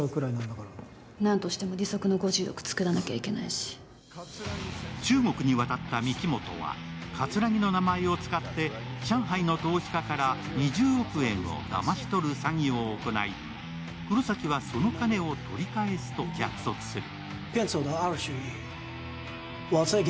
Ｔｗｉｔｔｅｒには中国に渡った御木本は桂木の名前を使って上海の投資家から２０億円をだまし取る詐欺を行い黒崎はその金を取り返すと約束する。